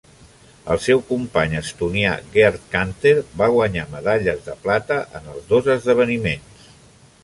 El seu company estonià Gerd Kanter va guanyar medalles de plata en els dos esdeveniments.